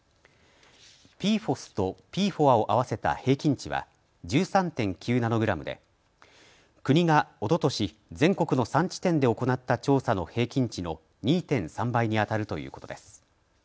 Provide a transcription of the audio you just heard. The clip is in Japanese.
ＰＦＯＳとＰＦＯＡを合わせた平均値は１３．９ナノグラムで国がおととし全国の３地点で行った調査の平均値の２．３倍にあたるということです。